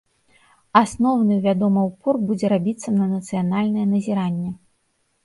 Асноўны, вядома, упор будзе рабіцца на нацыянальнае назіранне.